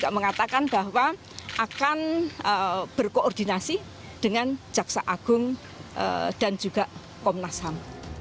mengatakan bahwa akan berkoordinasi dengan jaksa agung dan juga komnas ham